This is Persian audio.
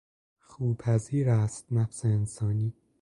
خوپذیر است نفس انسانی